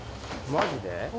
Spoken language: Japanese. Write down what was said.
・マジで？